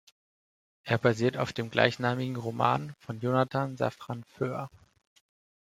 Er basiert auf dem gleichnamigen Roman von Jonathan Safran Foer.